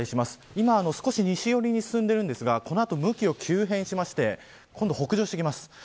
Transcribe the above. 今、少し西寄りに進んでいるんですがこの後、向きを急変しまして本土北上をしてきます。